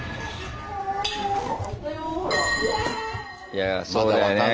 いやそうだよね。